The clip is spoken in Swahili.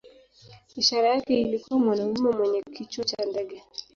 Ishara yake ilikuwa mwanamume mwenye kichwa cha ndege.